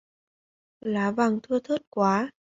Lá vàng thưa thớt quá